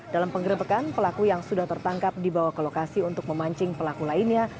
dalam penggerebekan pelaku yang sudah tertangkap dibawa ke lokasi untuk memancing pelaku lainnya